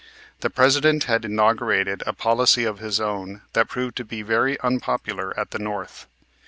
The President had inaugurated a policy of his own that proved to be very unpopular at the North.